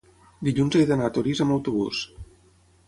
Dilluns he d'anar a Torís amb autobús.